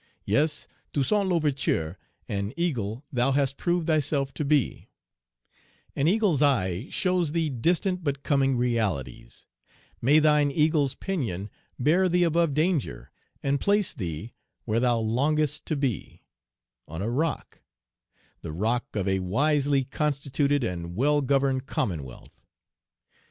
Yes, Toussaint L'Ouverture, Page 138 an eagle thou hast proved thyself to be; an eagle's eye shows thee distant but coming realities; may thine eagle's pinion bear thee above danger, and place thee, where thou longest to be, "on a rock," the rock of a wisely constituted and well governed commonwealth!